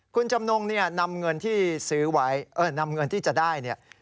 คุณจำนงเนี่ยนำเงินที่ซื้อไว้นำเงินที่จะได้เนี่ย